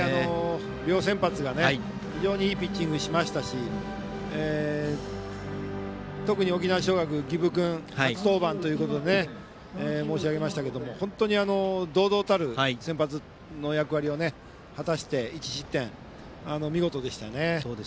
両先発が非常にいいピッチングをしましたし特に沖縄尚学の儀部君は初登板ということで申し上げましたけど堂々たる先発の役割を果たして１失点と見事でしたね。